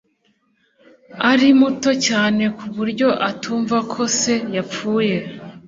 Ari muto cyane kuburyo atumva ko se yapfuye